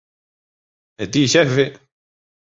E ti, xefe?